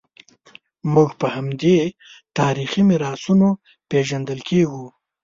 موږ په همدې تاریخي میراثونو پېژندل کېږو.